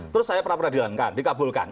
terus saya perapradilankan dikabulkan